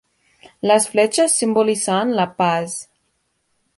Las flechas simbolizan la paz.